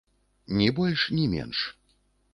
Ні больш ні менш!